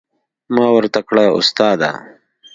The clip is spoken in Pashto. ما ورته کړه استاده.